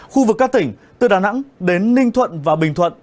khu vực các tỉnh từ đà nẵng đến ninh thuận và bình thuận